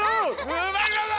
うまいまだ！